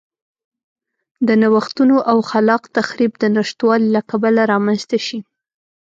د نوښتونو او خلاق تخریب د نشتوالي له کبله رامنځته شي.